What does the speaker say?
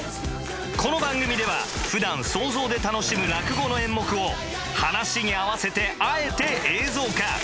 この番組ではふだん想像で楽しむ落語の演目を噺に合わせてあえて映像化。